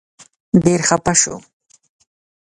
ډېر خپه شو.